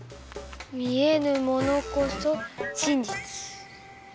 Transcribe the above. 見えぬものこそ真実！